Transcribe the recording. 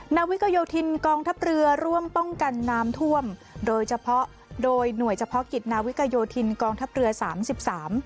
นาวิกโยธินกองทัพเรือร่วมป้องกันน้ำท่วมโดยเฉพาะโดยหน่วยเฉพาะกิจนาวิกโยธินกองทัพเรือสามสิบสาม